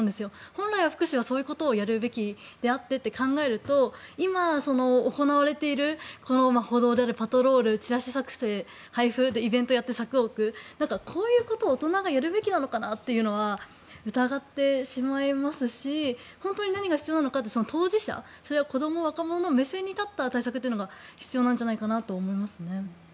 本来福祉はそういうことをやるべきであってと考えると今、行われている補導だったりパトロールチラシ作成、配布イベントをやって柵を置くこういうことを大人がやるべきなのかなというのは疑ってしまいますし本当に何が必要なのかは当事者それは子ども、若者の目線に立った対策が必要なんじゃないかなと思いますね。